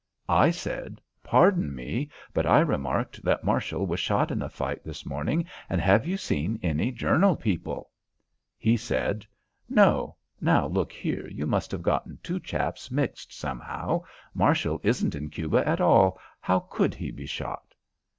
I said: "Pardon me, but I remarked that Marshall was shot in the fight this morning, and have you seen any Journal people?" He said: "No; now look here, you must have gotten two chaps mixed somehow. Marshall isn't in Cuba at all. How could he be shot?"